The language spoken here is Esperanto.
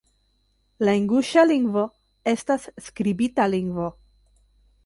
La inguŝa lingvo estas skribita lingvo.